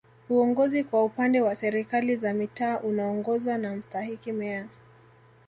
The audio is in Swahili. Uongozi kwa upande wa Serikali za Mitaa unaongozwa na Mstahiki Meya